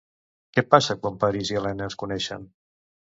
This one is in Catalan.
Què passa quan Paris i Elena es coneixen?